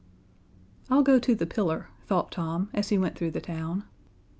"I'll go to the pillar," thought Tom, as he went through the town.